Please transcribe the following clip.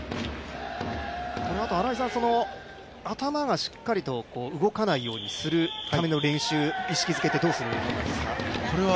このあと、頭がしっかりと動かないようにするための練習、意識づけって、どうするものなんですか。